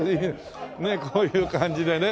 ねえこういう感じでね。